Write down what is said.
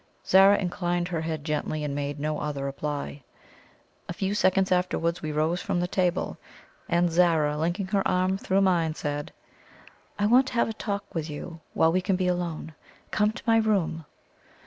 Zara inclined her head gently, and made no other reply. A few seconds afterwards we rose from table, and Zara, linking her arm through mine, said: "I want to have a talk with you while we can be alone. Come to my room."